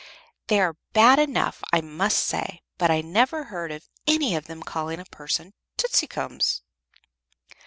They are bad enough, I must say; but I never heard of any of them calling a person 'Tootsicums.'"